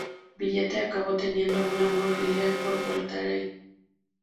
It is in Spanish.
Villette acabó teniendo un amor filial por Voltaire.